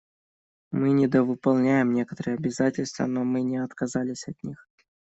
Мы недовыполняем некоторые обязательства, но мы не отказались от них.